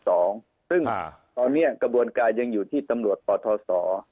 ซึ่งตอนนี้กระบวนการยังอยู่ที่ตำรวจปทศ